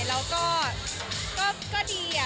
แล้วก็ดี